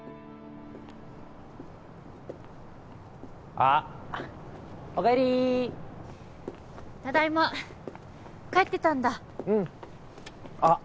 あっお帰りただいま帰ってたんだうんあっ